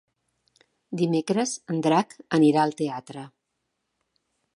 Dimecres en Drac anirà al teatre.